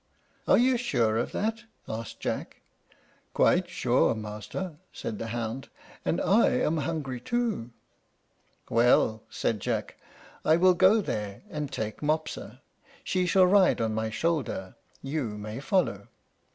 "Are you sure of that?" asked Jack. "Quite sure, master," said the hound; "and I am hungry too." "Well," said Jack, "I will go there and take Mopsa. She shall ride on my shoulder; you may follow."